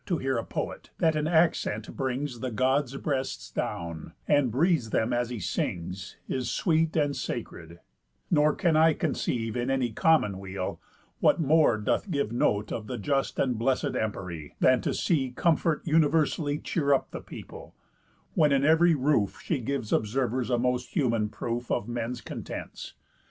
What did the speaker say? To hear a poet, that in accent brings The Gods' breasts down, and breathes them as he sings, Is sweet, and sacred; nor can I conceive, In any common weal, what more doth give Note of the just and blessed empery, Than to see comfort universally Cheer up the people, when in ev'ry roof She gives observers a most human proof Of men's contents.